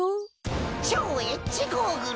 超Ｈゴーグル！